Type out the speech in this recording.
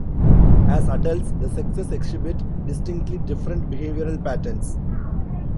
As adults, the sexes exhibit distinctly different behavioural patterns.